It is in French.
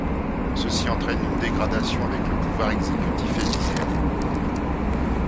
Ceci entraîne une dégradation avec le pouvoir exécutif élyséen.